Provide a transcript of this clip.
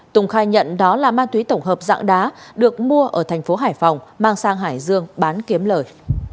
tùng khai nhận đó là ma túy tổng hợp dạng đá được mua ở thành phố hải phòng mang sang hải dương bán kiếm lời